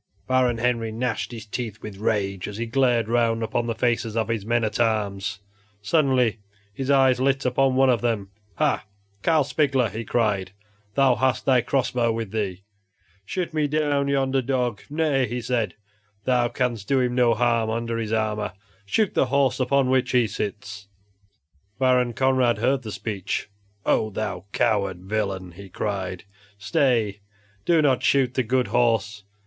Baron Henry gnashed his teeth with rage as he glared around upon the faces of his men at arms. Suddenly his eye lit upon one of them. "Ha! Carl Spigler," he cried, "thou hast thy cross bow with thee; shoot me down yonder dog! Nay," he said, "thou canst do him no harm under his armor; shoot the horse upon which he sits." Baron Conrad heard the speech. "Oh! thou coward villain!" he cried, "stay; do not shoot the good horse.